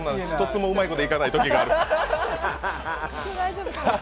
１つもうまいこといかないときがある。